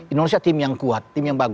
indonesia tim yang kuat